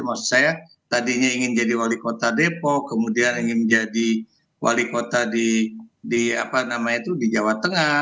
maksud saya tadinya ingin jadi wali kota depok kemudian ingin menjadi wali kota di jawa tengah